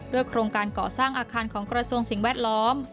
โครงการก่อสร้างอาคารของกระทรวงสิ่งแวดล้อม